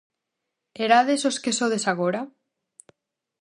Erades os que sodes agora?